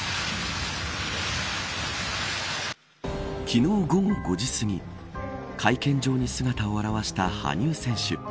昨日、午後５時すぎ会見場に姿を現した羽生選手。